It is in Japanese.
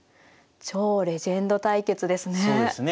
超レジェンド対決ですね。